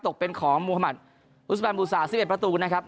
ตกเป็นของมุมพะมัดรุสแม่นบูรรณ์ศาสตร์๑๑ประตูนะครับ